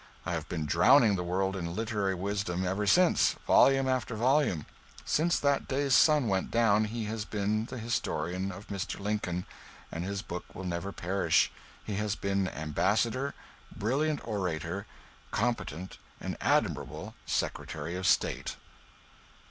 I have been drowning the world in literary wisdom ever since, volume after volume; since that day's sun went down he has been the historian of Mr. Lincoln, and his book will never perish; he has been ambassador, brilliant orator, competent and admirable Secretary of State.